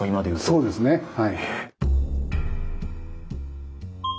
そうですねはい。